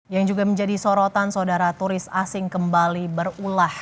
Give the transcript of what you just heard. yang juga menjadi sorotan saudara turis asing kembali berulah